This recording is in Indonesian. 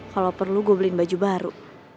kalau perlu gue beliin baju baru